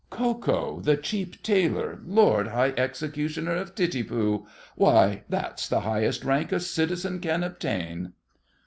Ko Ko, the cheap tailor, Lord High Executioner of Titipu! Why, that's the highest rank a citizen can attain!